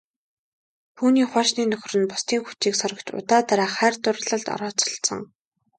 Түүний хуучин нөхөр нь бусдын хүчийг сорогч удаа дараа хайр дурлалын явдалд орооцолдсон.